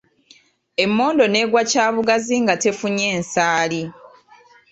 Emmondo n'egwa kyabugazi nga tefunye nsaali.